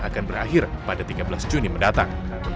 akan berakhir pada tiga belas juni mendatang